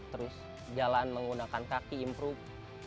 terus jalan menggunakan kaki improve